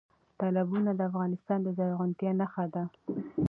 تالابونه د افغانستان د زرغونتیا نښه ده.